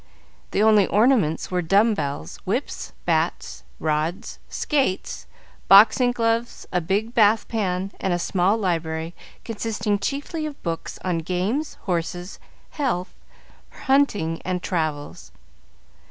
The only ornaments were dumbbells, whips, bats, rods, skates, boxing gloves, a big bath pan and a small library, consisting chiefly of books on games, horses, health, hunting, and travels.